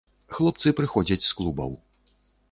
Хлопцы прыходзяць з клубаў.